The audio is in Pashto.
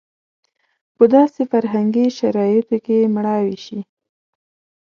په داسې فرهنګي شرایطو کې مړاوې شي.